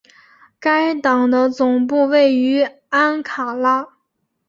该党的总部位于安卡拉。